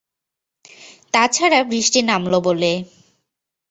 তা ছাড়া বৃষ্টি নামল বলে।